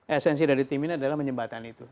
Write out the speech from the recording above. esensi dari tim ini adalah menyembatani itu